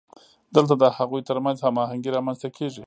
دلته د هغوی ترمنځ هماهنګي رامنځته کیږي.